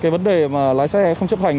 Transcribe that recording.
vấn đề lái xe không chấp hành